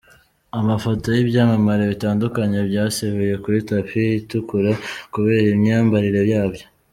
Amafoto y’ibyamamare bitandukanye byasebeye kuri tapi itukura kubera imyimbarire yabyo.